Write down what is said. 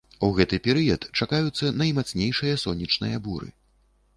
У гэты перыяд чакаюцца наймацнейшыя сонечныя буры.